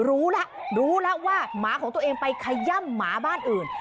รู้แล้วรู้แล้วว่าหมาของตัวเองไปขย่ำหมาบ้านอื่น